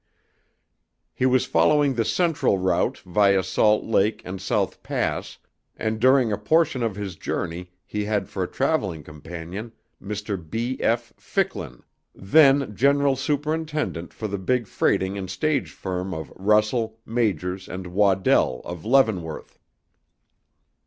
He was following the Central route via Salt Lake and South Pass, and during a portion of his journey he had for a traveling companion, Mr. B. F. Ficklin, then General Superintendent for the big freighting and stage firm of Russell, Majors, and Waddell of Leavenworth.